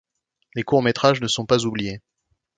Les courts métrages ne sont pas oubliés.